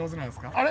あれ？